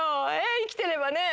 生きてればねえ